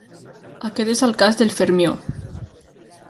Aquest és el cas del fermió.